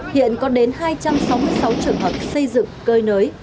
hiện có đến hai trăm sáu mươi sáu trường hợp xây dựng cơi nới